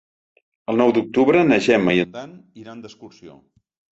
El nou d'octubre na Gemma i en Dan iran d'excursió.